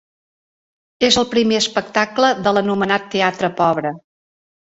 És el primer espectacle de l’anomenat teatre pobre.